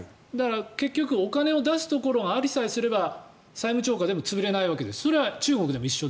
結局お金を出すところがありさえすれば債務超過でも潰れないそれは中国でも一緒？